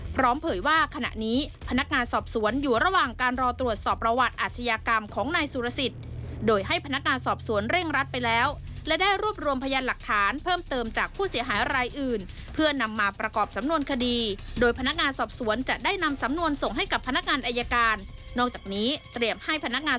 เผยว่าขณะนี้พนักงานสอบสวนอยู่ระหว่างการรอตรวจสอบประวัติอาชญากรรมของนายสุรสิทธิ์โดยให้พนักงานสอบสวนเร่งรัดไปแล้วและได้รวบรวมพยานหลักฐานเพิ่มเติมจากผู้เสียหายรายอื่นเพื่อนำมาประกอบสำนวนคดีโดยพนักงานสอบสวนจะได้นำสำนวนส่งให้กับพนักงานอายการนอกจากนี้เตรียมให้พนักงาน